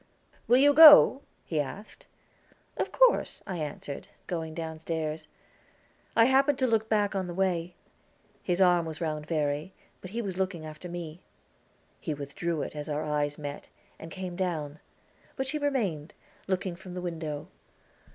"Will you go?" he asked. "Of course," I answered, going downstairs. I happened to look back on the way. His arm was round Verry, but he was looking after me. He withdrew it as our eyes met, and came down; but she remained, looking from the window.